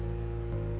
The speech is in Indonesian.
sudah masuk apa belum